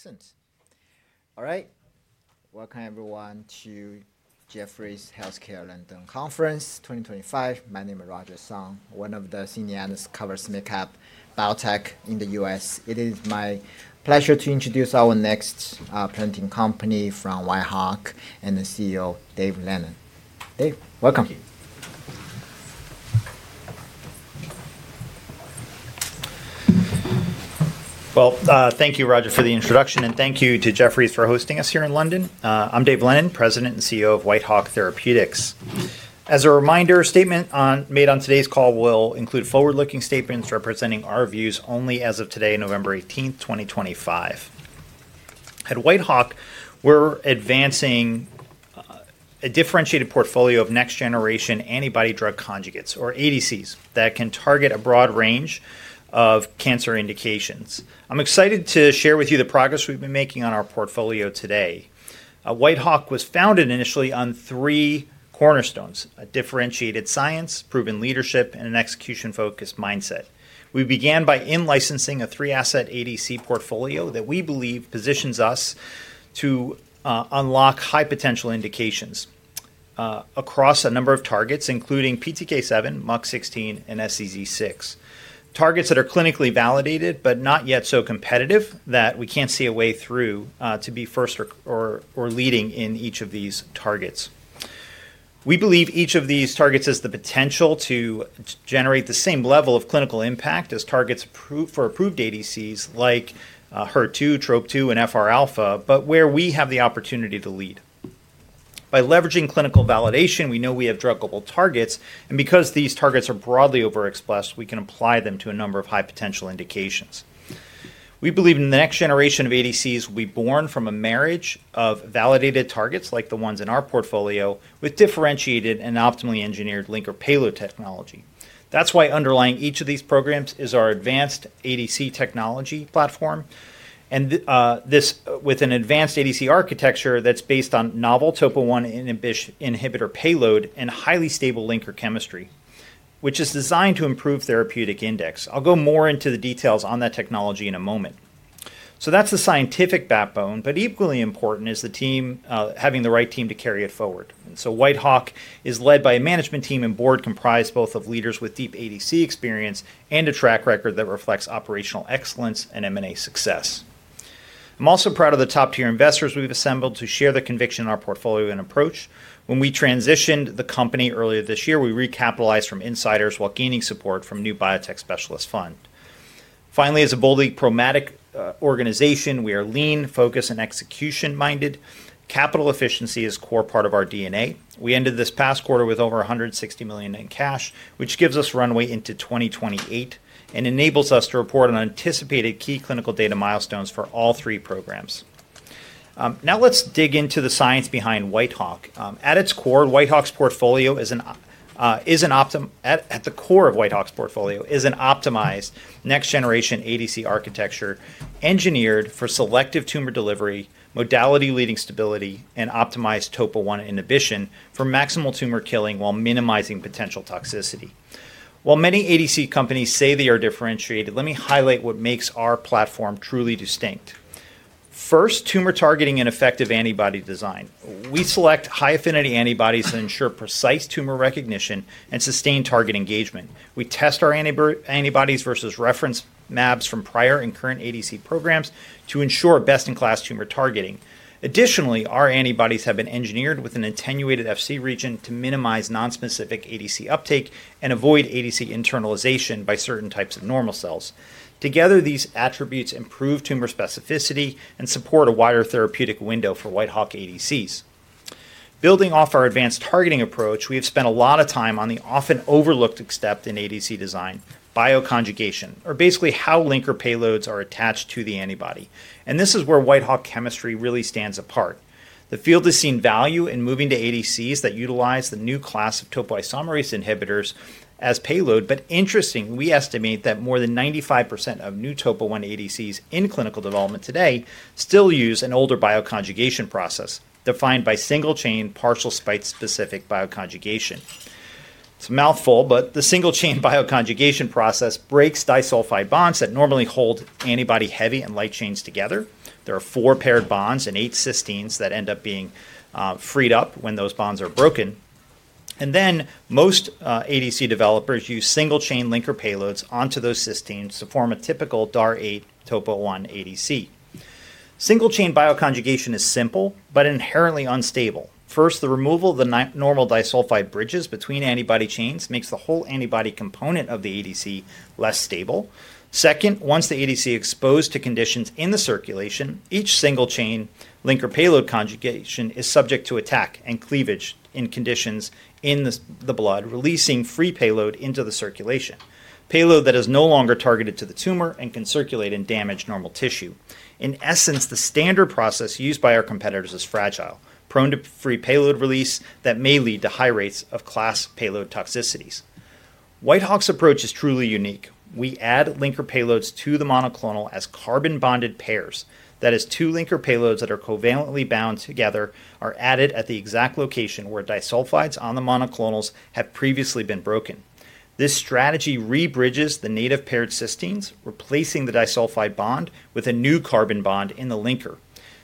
Excellent. All right. Welcome, everyone, to Jefferies Healthcare London Conference 2025. My name is Roger Song, one of the senior analysts covering biotech in the U.S. It is my pleasure to introduce our next presenting company from Whitehawk and the CEO, Dave Lennon. Dave, welcome. Thank you. Thank you, Roger, for the introduction, and thank you to Jefferies for hosting us here in London. I'm Dave Lennon, President and CEO of Whitehawk Therapeutics. As a reminder, a statement made on today's call will include forward-looking statements representing our views only as of today, November 18, 2025. At Whitehawk, we're advancing a differentiated portfolio of next-generation antibody drug conjugates, or ADCs, that can target a broad range of cancer indications. I'm excited to share with you the progress we've been making on our portfolio today. Whitehawk was founded initially on three cornerstones: a differentiated science, proven leadership, and an execution-focused mindset. We began by in-licensing a three-asset ADC portfolio that we believe positions us to unlock high-potential indications across a number of targets, including PTK7, MUC16, and SEZ6. Targets that are clinically validated but not yet so competitive that we can't see a way through to be first or leading in each of these targets. We believe each of these targets has the potential to generate the same level of clinical impact as targets for approved ADCs like HER2, TROP2, and FR-alpha, but where we have the opportunity to lead. By leveraging clinical validation, we know we have druggable targets, and because these targets are broadly overexpressed, we can apply them to a number of high-potential indications. We believe in the next generation of ADCs will be born from a marriage of validated targets like the ones in our portfolio with differentiated and optimally engineered linker payload technology. That's why underlying each of these programs is our advanced ADC technology platform, and this with an advanced ADC architecture that's based on novel topo-1 inhibitor payload and highly stable linker chemistry, which is designed to improve therapeutic index. I'll go more into the details on that technology in a moment. That's the scientific backbone, but equally important is having the right team to carry it forward. Whitehawk is led by a management team and board comprised both of leaders with deep ADC experience and a track record that reflects operational excellence and M&A success. I'm also proud of the top-tier investors we've assembled to share the conviction in our portfolio and approach. When we transitioned the company earlier this year, we recapitalized from insiders while gaining support from New Biotech Specialist Fund. Finally, as a boldly pragmatic organization, we are lean, focused, and execution-minded. Capital efficiency is a core part of our DNA. We ended this past quarter with over $160 million in cash, which gives us runway into 2028 and enables us to report on anticipated key clinical data milestones for all three programs. Now let's dig into the science behind Whitehawk. At its core, Whitehawk's portfolio is an optimized next-generation ADC architecture engineered for selective tumor delivery, modality-leading stability, and optimized topo-1 inhibition for maximal tumor killing while minimizing potential toxicity. While many ADC companies say they are differentiated, let me highlight what makes our platform truly distinct. First, tumor targeting and effective antibody design. We select high-affinity antibodies that ensure precise tumor recognition and sustained target engagement. We test our antibodies versus reference MABs from prior and current ADC programs to ensure best-in-class tumor targeting. Additionally, our antibodies have been engineered with an attenuated FC region to minimize nonspecific ADC uptake and avoid ADC internalization by certain types of normal cells. Together, these attributes improve tumor specificity and support a wider therapeutic window for Whitehawk ADCs. Building off our advanced targeting approach, we have spent a lot of time on the often overlooked step in ADC design, bioconjugation, or basically how linker payloads are attached to the antibody. This is where Whitehawk chemistry really stands apart. The field has seen value in moving to ADCs that utilize the new class of topoisomerase inhibitors as payload, but interestingly, we estimate that more than 95% of new topo-1 ADCs in clinical development today still use an older bioconjugation process defined by single-chain partial spike-specific bioconjugation. It's a mouthful, but the single-chain bioconjugation process breaks disulfide bonds that normally hold antibody-heavy and light chains together. There are four paired bonds and eight cysteines that end up being freed up when those bonds are broken. Most ADC developers use single-chain linker payloads onto those cysteines to form a typical DAR 8 topo-1 ADC. Single-chain bioconjugation is simple but inherently unstable. First, the removal of the normal disulfide bridges between antibody chains makes the whole antibody component of the ADC less stable. Second, once the ADC is exposed to conditions in the circulation, each single-chain linker payload conjugation is subject to attack and cleavage in conditions in the blood, releasing free payload into the circulation. Payload that is no longer targeted to the tumor and can circulate and damage normal tissue. In essence, the standard process used by our competitors is fragile, prone to free payload release that may lead to high rates of class payload toxicities. Whitehawk's approach is truly unique. We add linker payloads to the monoclonal as carbon-bonded pairs. That is, two linker payloads that are covalently bound together are added at the exact location where disulfides on the monoclonals have previously been broken. This strategy re-bridges the native paired cysteines, replacing the disulfide bond with a new carbon bond in the linker.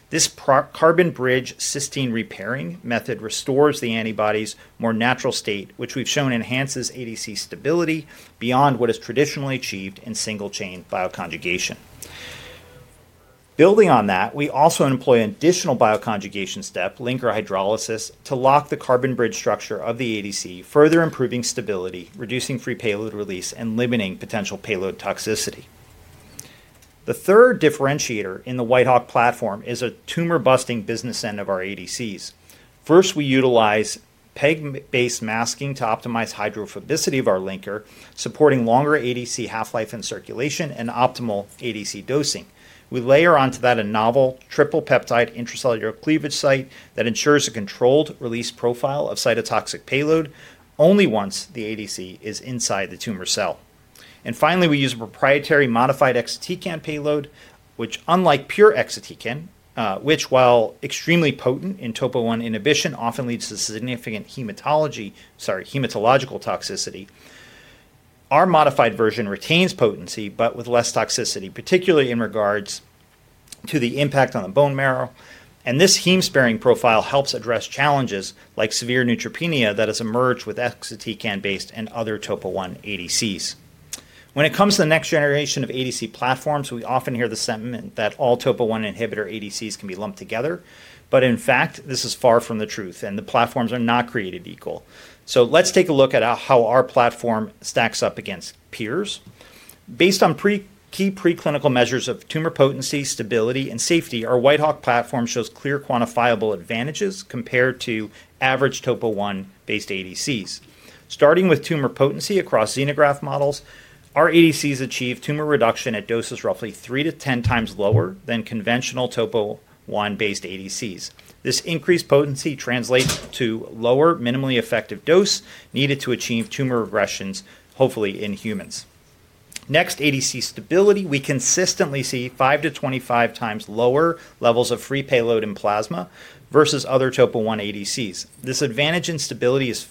This carbon-bridge cysteine repairing method restores the antibody's more natural state, which we've shown enhances ADC stability beyond what is traditionally achieved in single-chain bioconjugation. Building on that, we also employ an additional bioconjugation step, linker hydrolysis, to lock the carbon-bridge structure of the ADC, further improving stability, reducing free payload release, and limiting potential payload toxicity. The third differentiator in the Whitehawk platform is a tumor-busting business end of our ADCs. First, we utilize peg-based masking to optimize hydrophobicity of our linker, supporting longer ADC half-life in circulation and optimal ADC dosing. We layer onto that a novel triple-peptide intracellular cleavage site that ensures a controlled release profile of cytotoxic payload only once the ADC is inside the tumor cell. Finally, we use a proprietary modified exatecan payload, which, unlike pure exatecan, which while extremely potent in topo-1 inhibition often leads to significant hematological toxicity, our modified version retains potency but with less toxicity, particularly in regards to the impact on the bone marrow. This heme-sparing profile helps address challenges like severe neutropenia that has emerged with exatecan-based and other topo-1 ADCs. When it comes to the next generation of ADC platforms, we often hear the sentiment that all topo-1 inhibitor ADCs can be lumped together, but in fact, this is far from the truth, and the platforms are not created equal. Let's take a look at how our platform stacks up against peers. Based on key pre-clinical measures of tumor potency, stability, and safety, our Whitehawk platform shows clear quantifiable advantages compared to average topo-1-based ADCs. Starting with tumor potency across xenograft models, our ADCs achieve tumor reduction at doses roughly 3-10 times lower than conventional topo-1-based ADCs. This increased potency translates to lower, minimally effective dose needed to achieve tumor regressions, hopefully in humans. Next, ADC stability, we consistently see 5-25 times lower levels of free payload in plasma versus other topo-1 ADCs. This advantage in stability is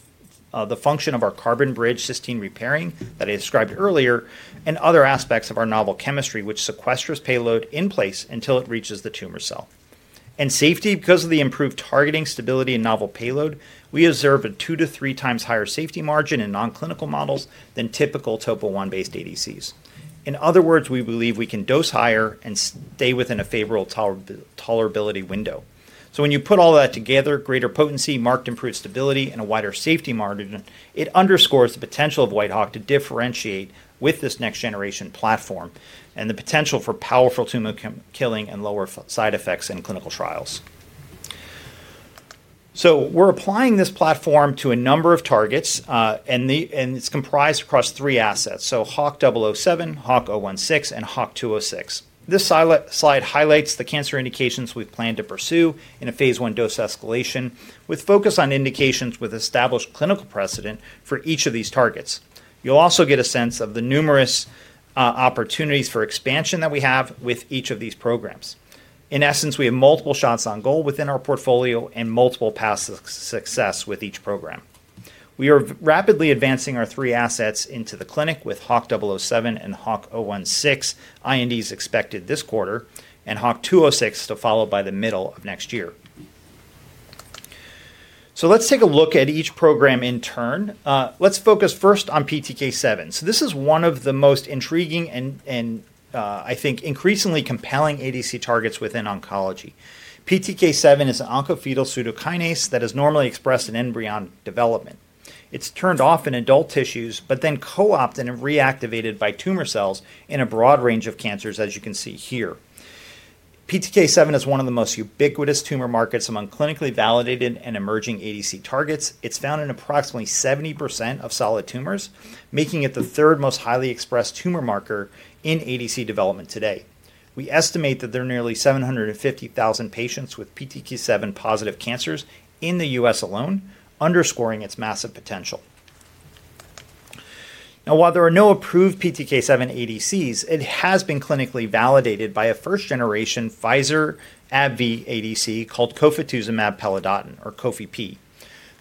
the function of our carbon-bridge cysteine repairing that I described earlier and other aspects of our novel chemistry, which sequesters payload in place until it reaches the tumor cell. And safety, because of the improved targeting, stability, and novel payload, we observe a 2-3 times higher safety margin in non-clinical models than typical topo-1-based ADCs. In other words, we believe we can dose higher and stay within a favorable tolerability window. When you put all that together, greater potency, marked improved stability, and a wider safety margin, it underscores the potential of Whitehawk to differentiate with this next-generation platform and the potential for powerful tumor killing and lower side effects in clinical trials. We're applying this platform to a number of targets, and it's comprised across three assets: HWK-007, HWK-016, and HWK-206. This slide highlights the cancer indications we've planned to pursue in a phase one dose escalation with focus on indications with established clinical precedent for each of these targets. You'll also get a sense of the numerous opportunities for expansion that we have with each of these programs. In essence, we have multiple shots on goal within our portfolio and multiple paths of success with each program. We are rapidly advancing our three assets into the clinic with HWK-007 and HWK-016, INDs expected this quarter, and HWK-206 to follow by the middle of next year. Let's take a look at each program in turn. Let's focus first on PTK7. This is one of the most intriguing and, I think, increasingly compelling ADC targets within oncology. PTK7 is an oncofetal pseudokinase that is normally expressed in embryonic development. It's turned off in adult tissues but then co-opted and reactivated by tumor cells in a broad range of cancers, as you can see here. PTK7 is one of the most ubiquitous tumor markers among clinically validated and emerging ADC targets. It's found in approximately 70% of solid tumors, making it the third most highly expressed tumor marker in ADC development today. We estimate that there are nearly 750,000 patients with PTK7-positive cancers in the US alone, underscoring its massive potential. Now, while there are no approved PTK7 ADCs, it has been clinically validated by a first-generation Pfizer AbbVie ADC called Cofetuzumab Pellidotin, or COFI-P.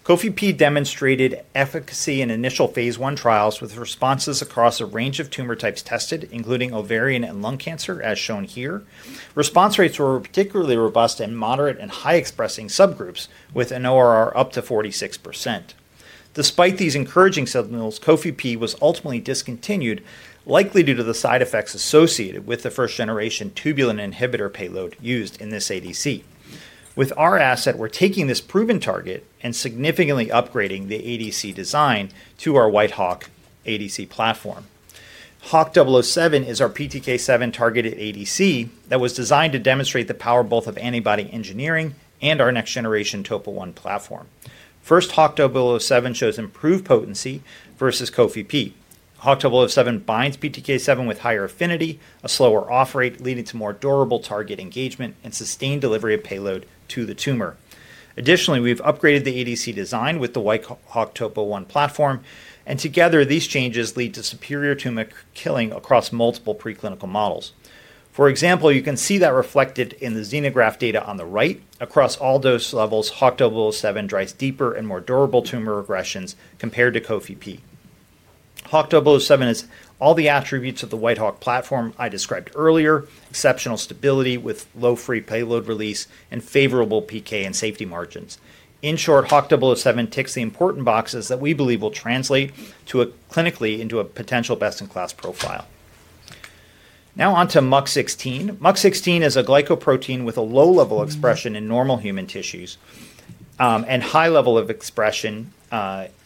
COFI-P demonstrated efficacy in initial phase one trials with responses across a range of tumor types tested, including ovarian and lung cancer, as shown here. Response rates were particularly robust in moderate and high-expressing subgroups with an ORR up to 46%. Despite these encouraging signals, COFI-P was ultimately discontinued, likely due to the side effects associated with the first-generation tubulin inhibitor payload used in this ADC. With our asset, we're taking this proven target and significantly upgrading the ADC design to our Whitehawk ADC platform. HWK-007 is our PTK7-targeted ADC that was designed to demonstrate the power both of antibody engineering and our next-generation topo-1 platform. First, HWK-007 shows improved potency versus COFI-P. HWK-007 binds PTK7 with higher affinity, a slower off-rate leading to more durable target engagement and sustained delivery of payload to the tumor. Additionally, we've upgraded the ADC design with the Whitehawk topo-1 platform, and together, these changes lead to superior tumor killing across multiple pre-clinical models. For example, you can see that reflected in the xenograft data on the right. Across all dose levels, HWK-007 drives deeper and more durable tumor regressions compared to COFI-P. HWK-007 has all the attributes of the Whitehawk platform I described earlier: exceptional stability with low free payload release and favorable PK and safety margins. In short, HWK-007 ticks the important boxes that we believe will translate clinically into a potential best-in-class profile. Now on to MUC16. MUC16 is a glycoprotein with a low level of expression in normal human tissues and high level of expression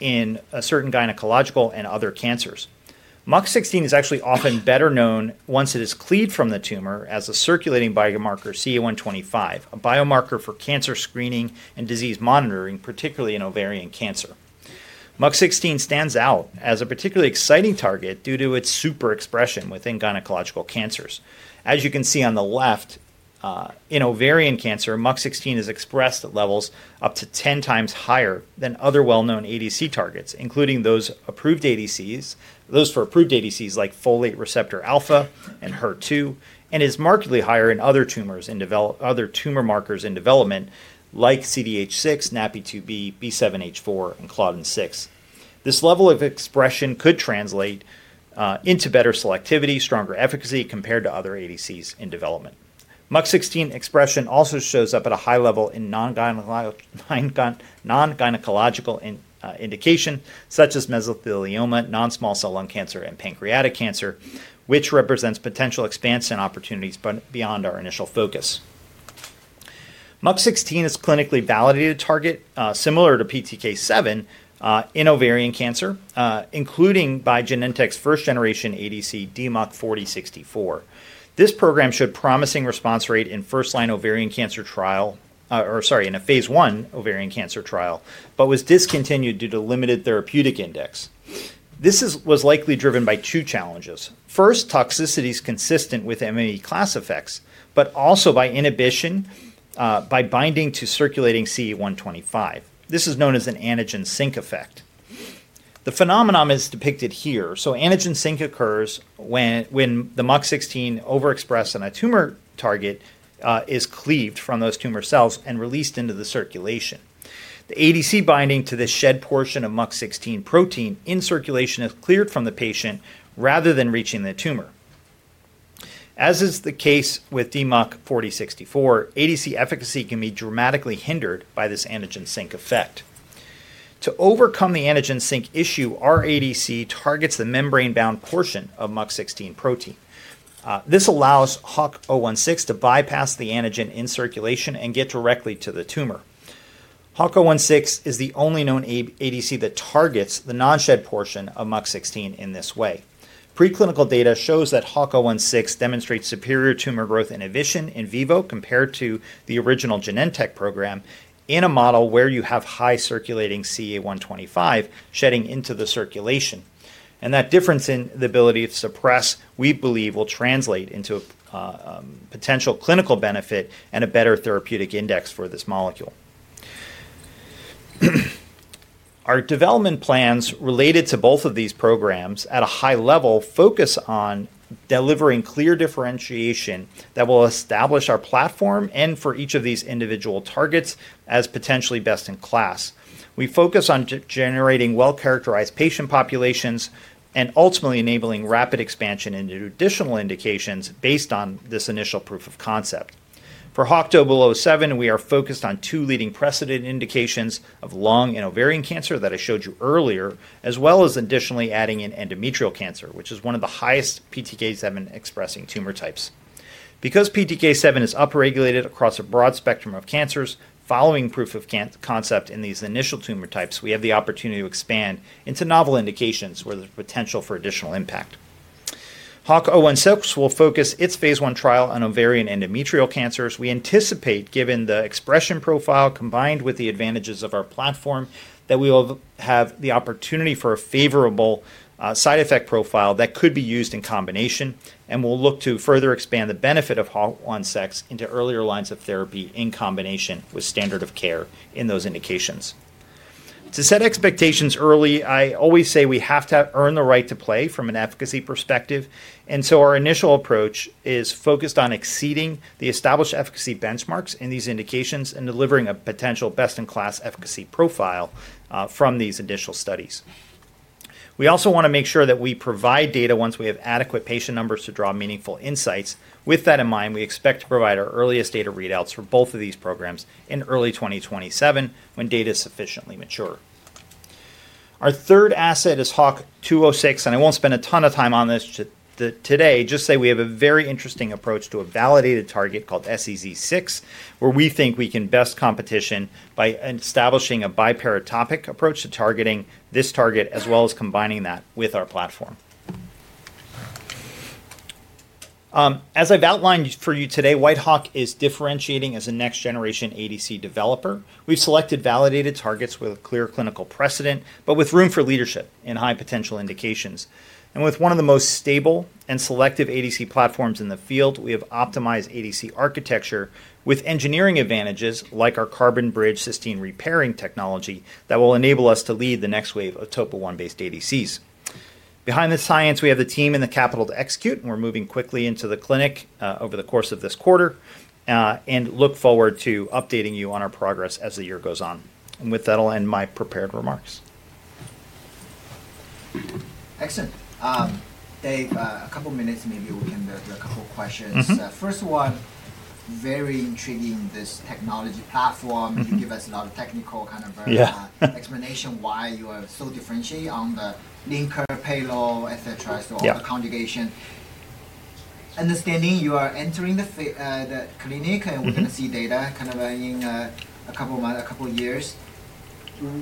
in certain gynecological and other cancers. MUC16 is actually often better known once it is cleaved from the tumor as a circulating biomarker CA125, a biomarker for cancer screening and disease monitoring, particularly in ovarian cancer. MUC16 stands out as a particularly exciting target due to its super expression within gynecological cancers. As you can see on the left, in ovarian cancer, MUC16 is expressed at levels up to 10 times higher than other well-known ADC targets, including those for approved ADCs like folate receptor alpha and HER2, and is markedly higher in other tumor markers in development like CDH6, NAPPI2B, B7H4, and CLOTN6. This level of expression could translate into better selectivity, stronger efficacy compared to other ADCs in development. MUC16 expression also shows up at a high level in non-gynecological indications such as mesothelioma, non-small cell lung cancer, and pancreatic cancer, which represents potential expanse and opportunities beyond our initial focus. MUC16 is a clinically validated target, similar to PTK7, in ovarian cancer, including by Genentech's first-generation ADC DMUC4064. This program showed a promising response rate in a first-line ovarian cancer trial or, sorry, in a phase one ovarian cancer trial, but was discontinued due to limited therapeutic index. This was likely driven by two challenges. First, toxicities consistent with MAE class effects, but also by inhibition by binding to circulating CA125. This is known as an antigen sink effect. The phenomenon is depicted here. Antigen sink occurs when the MUC16 overexpressed on a tumor target is cleaved from those tumor cells and released into the circulation. The ADC binding to the shed portion of MUC16 protein in circulation is cleared from the patient rather than reaching the tumor. As is the case with DMUC4064, ADC efficacy can be dramatically hindered by this antigen sink effect. To overcome the antigen sink issue, our ADC targets the membrane-bound portion of MUC16 protein. This allows HWK-016 to bypass the antigen in circulation and get directly to the tumor. HWK-016 is the only known ADC that targets the non-shed portion of MUC16 in this way. Pre-clinical data shows that HWK-016 demonstrates superior tumor growth inhibition in vivo compared to the original Genentech program in a model where you have high circulating CA125 shedding into the circulation. That difference in the ability to suppress, we believe, will translate into a potential clinical benefit and a better therapeutic index for this molecule. Our development plans related to both of these programs at a high level focus on delivering clear differentiation that will establish our platform and for each of these individual targets as potentially best-in-class. We focus on generating well-characterized patient populations and ultimately enabling rapid expansion into additional indications based on this initial proof of concept. For HWK-007, we are focused on two leading precedent indications of lung and ovarian cancer that I showed you earlier, as well as additionally adding in endometrial cancer, which is one of the highest PTK7-expressing tumor types. Because PTK7 is upregulated across a broad spectrum of cancers, following proof of concept in these initial tumor types, we have the opportunity to expand into novel indications with potential for additional impact. HWK-016 will focus its phase one trial on ovarian endometrial cancers. We anticipate, given the expression profile combined with the advantages of our platform, that we will have the opportunity for a favorable side effect profile that could be used in combination, and we will look to further expand the benefit of HWK-016 into earlier lines of therapy in combination with standard of care in those indications. To set expectations early, I always say we have to earn the right to play from an efficacy perspective. Our initial approach is focused on exceeding the established efficacy benchmarks in these indications and delivering a potential best-in-class efficacy profile from these initial studies. We also want to make sure that we provide data once we have adequate patient numbers to draw meaningful insights. With that in mind, we expect to provide our earliest data readouts for both of these programs in early 2027 when data is sufficiently mature. Our third asset is HWK-206, and I won't spend a ton of time on this today. Just say we have a very interesting approach to a validated target called SEZ6, where we think we can best competition by establishing a biparatopic approach to targeting this target, as well as combining that with our platform. As I've outlined for you today, Whitehawk is differentiating as a next-generation ADC developer. We've selected validated targets with clear clinical precedent, but with room for leadership in high potential indications. With one of the most stable and selective ADC platforms in the field, we have optimized ADC architecture with engineering advantages like our carbon-bridge cysteine repairing technology that will enable us to lead the next wave of topo-1-based ADCs. Behind this science, we have the team and the capital to execute, and we're moving quickly into the clinic over the course of this quarter and look forward to updating you on our progress as the year goes on. With that, I'll end my prepared remarks. Excellent. Dave, a couple of minutes, maybe we can do a couple of questions. First one, very intriguing, this technology platform. You give us a lot of technical kind of explanation why you are so differentiated on the linker payload, etc., so all the conjugation. Understanding you are entering the clinic and we're going to see data kind of in a couple of years.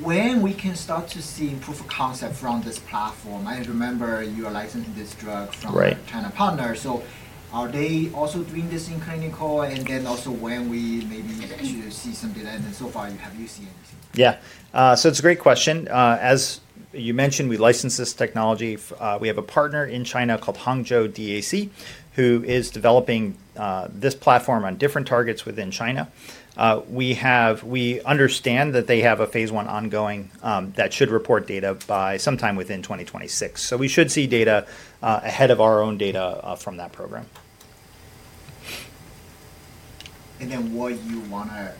When we can start to see proof of concept from this platform? I remember you are licensing this drug from China partners. So are they also doing this in clinical? Also when we maybe actually see some data, and so far, have you seen anything? Yeah. So it's a great question. As you mentioned, we license this technology. We have a partner in China called Hangzhou DAC, who is developing this platform on different targets within China. We understand that they have a phase one ongoing that should report data by sometime within 2026. We should see data ahead of our own data from that program. What do you want to,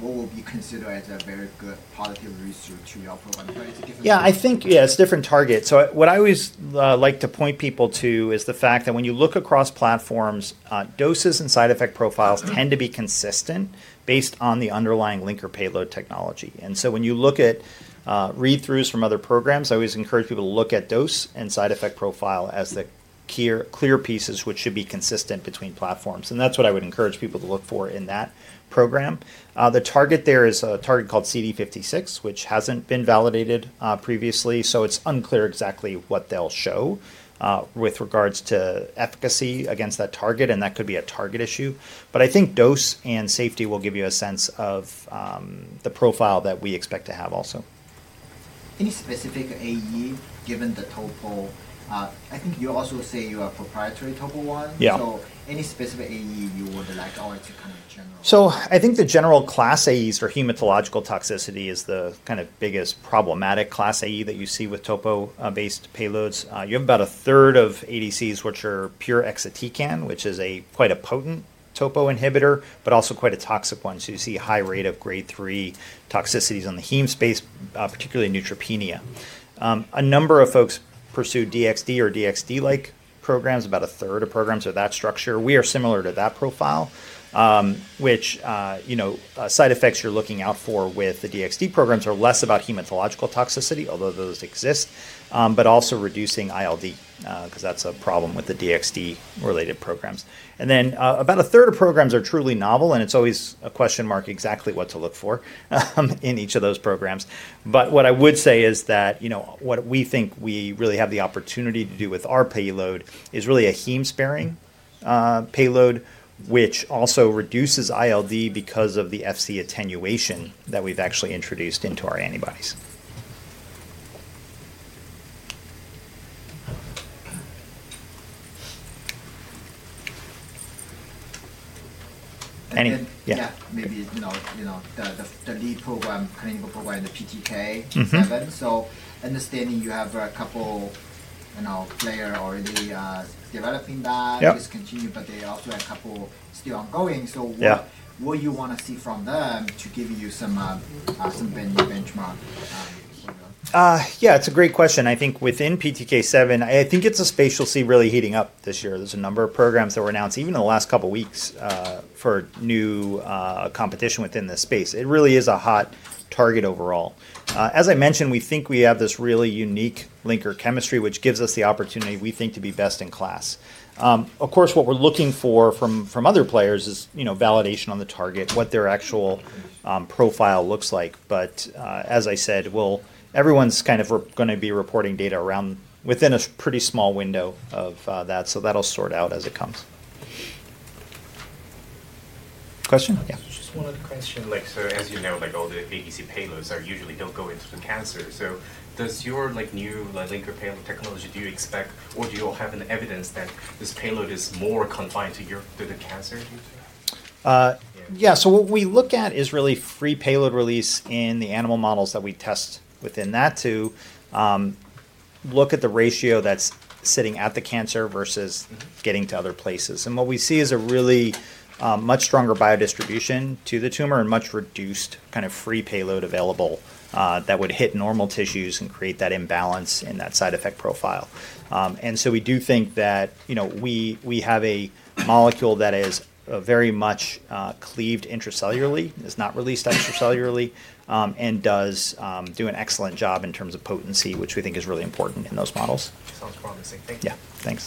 what will be considered as a very good positive resource to your program? Yeah, I think, yeah, it's different targets. What I always like to point people to is the fact that when you look across platforms, doses and side effect profiles tend to be consistent based on the underlying linker payload technology. When you look at read-throughs from other programs, I always encourage people to look at dose and side effect profile as the clear pieces which should be consistent between platforms. That's what I would encourage people to look for in that program. The target there is a target called CD56, which hasn't been validated previously, so it's unclear exactly what they'll show with regards to efficacy against that target, and that could be a target issue. I think dose and safety will give you a sense of the profile that we expect to have also. Any specific AE given the topo? I think you also say you are proprietary topo one. So any specific AE you would like to kind of general? I think the general class AEs for hematological toxicity is the kind of biggest problematic class AE that you see with topo-based payloads. You have about a third of ADCs which are pure exatecan, which is quite a potent topo inhibitor, but also quite a toxic one. You see a high rate of grade 3 toxicities on the heme space, particularly neutropenia. A number of folks pursue DXD or DXD-like programs, about a third of programs are that structure. We are similar to that profile, which side effects you're looking out for with the DXD programs are less about hematological toxicity, although those exist, but also reducing ILD because that's a problem with the DXD-related programs. Then about a third of programs are truly novel, and it's always a question mark exactly what to look for in each of those programs. What I would say is that what we think we really have the opportunity to do with our payload is really a heme-sparing payload, which also reduces ILD because of the FC attenuation that we've actually introduced into our antibodies. Maybe the lead program, clinical program, the PTK7. I understand you have a couple of players already developing that, discontinued, but they also have a couple still ongoing. What do you want to see from them to give you some benchmark? Yeah, it's a great question. I think within PTK7, I think it's a space you'll see really heating up this year. There's a number of programs that were announced even in the last couple of weeks for new competition within this space. It really is a hot target overall. As I mentioned, we think we have this really unique linker chemistry, which gives us the opportunity, we think, to be best in class. Of course, what we're looking for from other players is validation on the target, what their actual profile looks like. As I said, everyone's kind of going to be reporting data within a pretty small window of that, so that'll sort out as it comes. Question? Yeah. Just one other question. As you know, all the ADC payloads usually do not go into the cancer. Does your new linker payload technology, do you expect, or do you have evidence that this payload is more confined to the cancer? Yeah. What we look at is really free payload release in the animal models that we test within that to look at the ratio that's sitting at the cancer versus getting to other places. What we see is a really much stronger biodistribution to the tumor and much reduced kind of free payload available that would hit normal tissues and create that imbalance in that side effect profile. We do think that we have a molecule that is very much cleaved intracellularly, is not released extracellularly, and does do an excellent job in terms of potency, which we think is really important in those models. Sounds promising. Thank you. Yeah. Thanks.